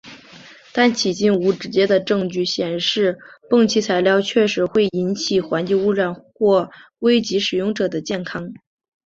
但迄今无直接的证据显示汞齐材料确会引起环境污染或危及使用者的健康。